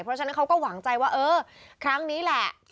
เพราะฉะนั้นเขาก็หวังใจว่าเออครั้งนี้แหละ